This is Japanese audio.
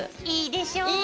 いいでしょ。